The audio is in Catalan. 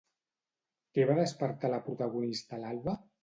Què va despertar la protagonista a l'alba?